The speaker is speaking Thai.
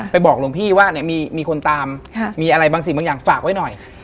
บอกหลวงพี่ว่าเนี่ยมีคนตามมีอะไรบางสิ่งบางอย่างฝากไว้หน่อย